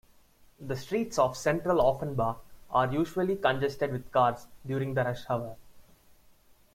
The streets of central Offenbach are usually congested with cars during the rush hour.